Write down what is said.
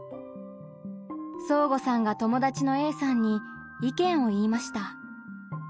そーごさんが友達のＡさんに意見を言いました。